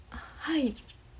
はい。